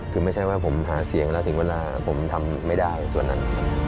คือไม่ใช่ว่าผมหาเสียงแล้วถึงเวลาผมทำไม่ได้ส่วนนั้น